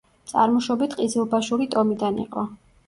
წარმოშობით ყიზილბაშური ტომიდან იყო.